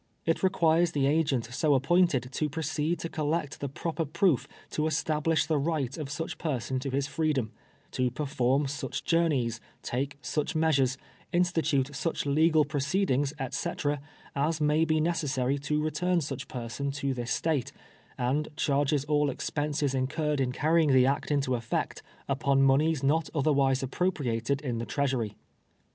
It requires the agent so appointed to proceed to col lect the proper proof to establish the right of such person to his freedom ; to perform such journeys, take such measures, institute such legal proceedings, t^'c, as may be necessary to return such person to this State, and charges all expenses incurred in carrying Anne's memoeial to the gomskxor. 291 tlie act into efFect, upon 'moneys not otbel•^v'ise ap propriated in the treasury.